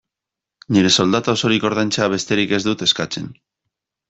Nire soldata osorik ordaintzea besterik ez dut eskatzen.